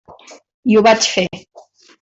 I ho vaig fer.